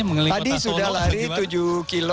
tadi sudah lari tujuh km